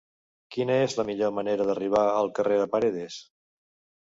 Quina és la millor manera d'arribar al carrer de Paredes?